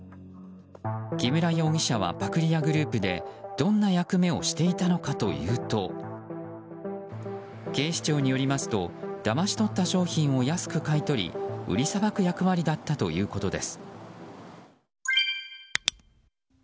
木村容疑者はパクリ屋グループでどんな役目をしていたのかというと警視庁によりますとだまし取った商品を安く買い取り売りさばく役割だったということです。